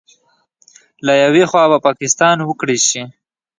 له یوې خوا به پاکستان وکړې شي